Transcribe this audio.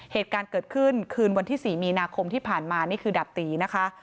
เหตุการณ์เกิดขึ้นคืนวันที่๔มีนาคมที่ผ่านมานี่คือดาบตีนะคะ